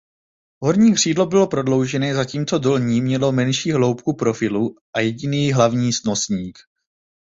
Horní křídlo bylo prodloužené zatímco dolní mělo menší hloubku profilu a jediný hlavní nosník.